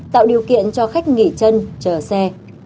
tạo điều kiện cho khách nghỉ chân chờ xe